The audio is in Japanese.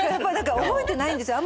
覚えてないんですよ。